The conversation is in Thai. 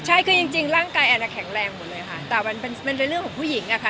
ใช่คือจริงร่างกายแอนแข็งแรงหมดเลยค่ะแต่มันเป็นเรื่องของผู้หญิงอะค่ะ